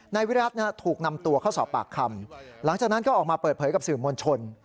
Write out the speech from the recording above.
นายวิรัติถูกนำตัวเข้าสอบปากคำหลังจากนั้นก็ออกมาเปิดเผยกับสื่อมวลชน